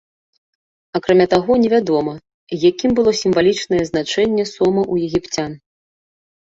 Акрамя таго, невядома, якім было сімвалічна значэнне сома ў егіпцян.